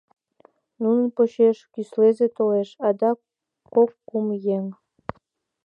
Нунын почеш кӱслезе толеш, адак — кок-кум еҥ.